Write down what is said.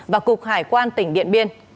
và cục hải quan tỉnh điện biên